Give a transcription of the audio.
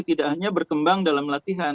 tidak hanya berkembang dalam latihan